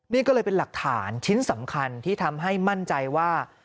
นี่ก็เลยเป็นหลักฐานชิ้นสำคัญที่ทำให้มั่นใจว่า